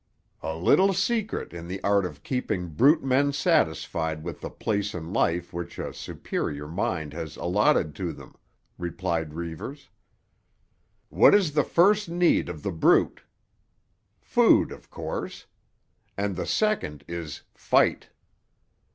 "A little secret in the art of keeping brute men satisfied with the place in life which a superior mind has allotted to them," replied Reivers. "What is the first need of the brute? Food, of course. And the second is—fight.